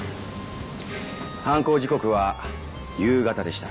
犯行時刻は夕方でした。